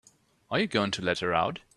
Are you going to let her out?